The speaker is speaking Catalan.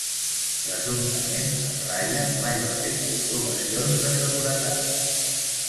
Presumptament, en Ryan mai va fer comprovacions de seguretat.